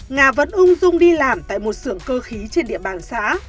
nga vẫn ung dung đi làm tại một sưởng cơ khí trên địa bàn xã